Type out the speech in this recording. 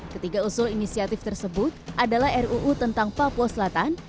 ketiga usul inisiatif tersebut adalah ruu tentang papua selatan